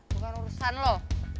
bukan urusan lo